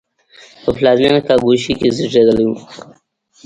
په پلازمېنه کاګوشی کې زېږېدلی و.